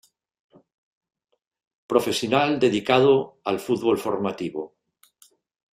Profesional dedicado al fútbol formativo.